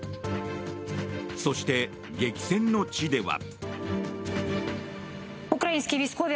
そして、激戦の地では。